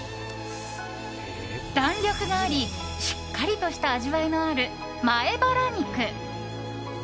弾力があり、しっかりとした味わいのある前バラ肉。